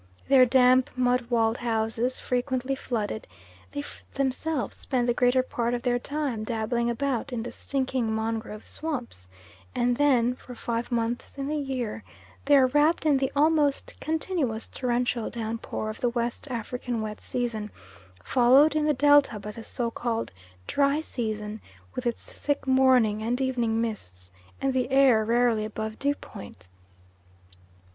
Their damp mud walled houses frequently flooded, they themselves spend the greater part of their time dabbling about in the stinking mangrove swamps, and then, for five months in the year, they are wrapped in the almost continuous torrential downpour of the West African wet season, followed in the Delta by the so called "dry" season, with its thick morning and evening mists, and the air rarely above dew point.